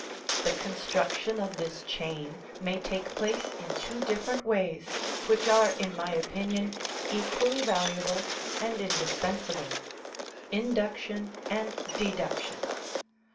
The con struction of this chain may take place in two different ways, which are, in my opinion, equally valuable and indispensable: induction and deduction.